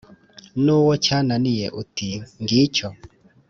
Nuwo cyananiye uti: “Ngicyo”!